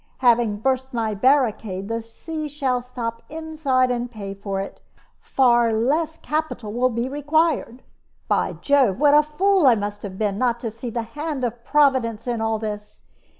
Having burst my barricade, the sea shall stop inside and pay for it. Far less capital will be required. By Jove, what a fool I must have been not to see the hand of Providence in all this!